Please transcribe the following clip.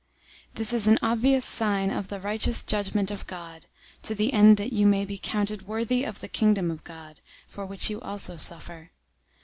001:005 This is an obvious sign of the righteous judgment of God, to the end that you may be counted worthy of the Kingdom of God, for which you also suffer.